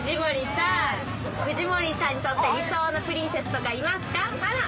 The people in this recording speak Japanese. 藤森さんにとって理想のプリンセスとかいますか？